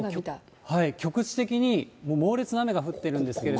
局地的に猛烈な雨が降ってるんですけれども。